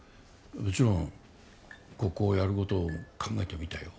もちろんここをやることを考えてみたよ